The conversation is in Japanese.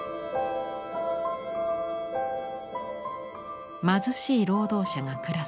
貧しい労働者が暮らす街。